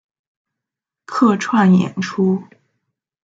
客串演出